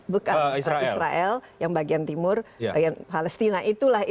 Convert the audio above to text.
bukan israel yang bagian timur palestina